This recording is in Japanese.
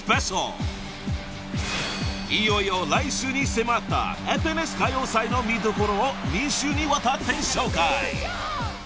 ［いよいよ来週に迫った『ＦＮＳ歌謡祭』の見どころを２週にわたって紹介］